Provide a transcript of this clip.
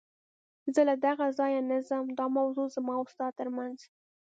زه له دغه ځایه نه ځم، دا موضوع زما او ستا تر منځ.